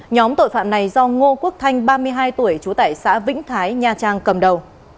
nhóm tội phạm này do ngô quốc thanh ba mươi hai tuổi trú tại xã vĩnh thái nha trang cầm đầu